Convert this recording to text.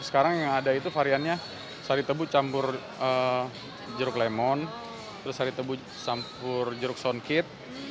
sekarang yang ada itu variannya sari tebu campur jeruk lemon terus sari tebu campur jeruk songkit